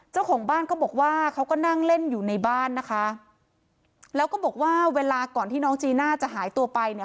เจ้าของบ้านก็บอกว่าเขาก็นั่งเล่นอยู่ในบ้านนะคะแล้วก็บอกว่าเวลาก่อนที่น้องจีน่าจะหายตัวไปเนี่ย